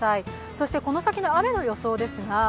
そしてこの先の雨の予想ですが。